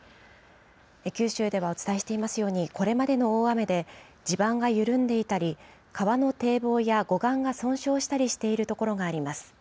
九州では、お伝えしていますように、これまでの大雨で、地盤が緩んでいたり、川の堤防や護岸が損傷していたりする所があります。